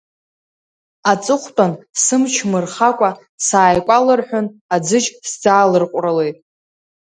Аҵыхәтәан сымч мырхакәа сааикәалырҳәын, аӡыжь сӡаалырҟәрылеит.